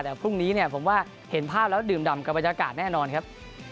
แต่พรุ่งนี้เนี่ยผมว่าเห็นภาพแล้วดื่มดำกับบรรยากาศแน่นอนครับ